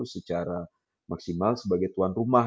secara maksimal sebagai tuan rumah